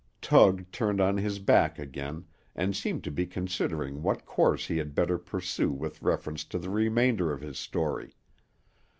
Tug turned on his back again, and seemed to be considering what course he had better pursue with reference to the remainder of his story.